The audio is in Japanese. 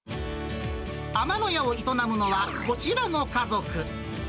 天野屋を営むのは、こちらの家族。